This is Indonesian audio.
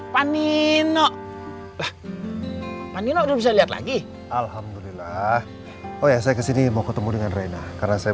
panino manila udah bisa lihat lagi alhamdulillah oh ya saya kesini mau ketemu dengan reina karena saya